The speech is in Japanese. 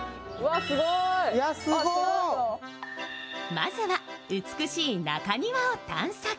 まずは美しい中庭を探索。